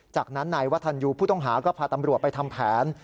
จากนั้นนายวัฒนยูผู้ต้องหาก็พาตำรวจไปทำแผน